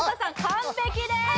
完璧です